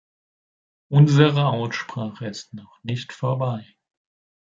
Unsere Aussprache ist noch nicht vorbei.